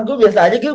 gue biasa aja gitu